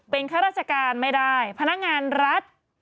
เป็นข้าราชการไม่ได้พนักงานรัฐ